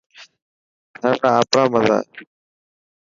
ٿر را آپرا مزا هي.